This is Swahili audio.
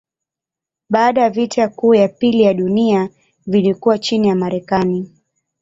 Baada ya vita kuu ya pili ya dunia vilikuwa chini ya Marekani.